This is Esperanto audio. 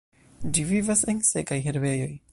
Ĝi vivas en sekaj herbejoj.